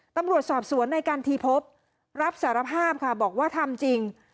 ตำรวจสอบสวนในกันทีพบรับสารภาพค่ะบอกว่าทำจริง